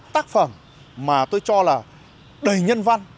tác phẩm mà tôi cho là đầy nhân văn